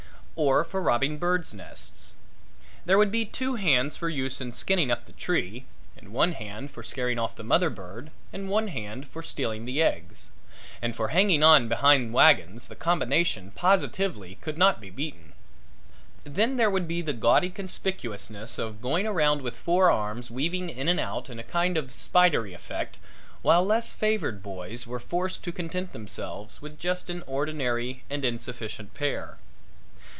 Or for robbing birds' nests. There would be two hands for use in skinning up the tree, and one hand for scaring off the mother bird and one hand for stealing the eggs. And for hanging on behind wagons the combination positively could not be beaten. Then there would be the gaudy conspicuousness of going around with four arms weaving in and out in a kind of spidery effect while less favored boys were forced to content themselves with just an ordinary and insufficient pair.